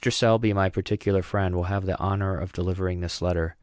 Selby, my particular friend, will have the honor of delivering this letter.